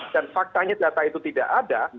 dan faktanya data itu tidak ada